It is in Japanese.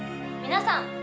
皆さん！